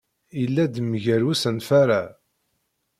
Yella-d mgal usenfar-a.